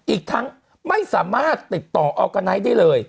อีกทั้งไม่สามารถติดต่อออร์กาไนท์ได้เลย